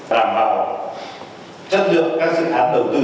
đảm bảo chất lượng các dự án đầu tư